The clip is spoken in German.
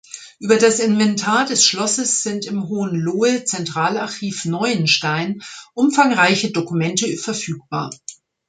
Über das Inventar des Schlosses sind im Hohenlohe-Zentralarchiv Neuenstein umfangreiche Dokumente verfügbar.